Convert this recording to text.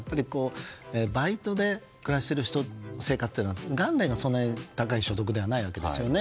バイトで暮らしている人生活している人は元来がそんなに高い所得ではないですよね。